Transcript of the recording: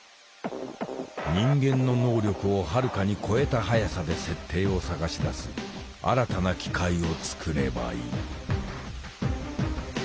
人間の能力をはるかに超えた速さで設定を探し出す新たな機械を作ればいい。